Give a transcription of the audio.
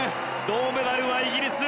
銅メダルはイギリス。